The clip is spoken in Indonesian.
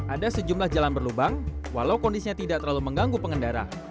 ada sejumlah jalan berlubang walau kondisinya tidak terlalu mengganggu pengendara